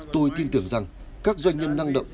tôi tin tưởng rằng các doanh nhân năng động